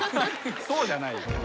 「そう」じゃないよ。